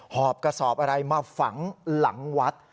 อบกระสอบอะไรมาฝังหลังวัด